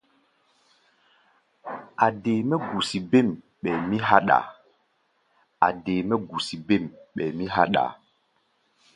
A̧ dee mɛ́ gusi bêm, ɓɛɛ mí háɗʼaa.